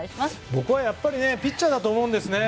僕はやっぱりピッチャーだと思います。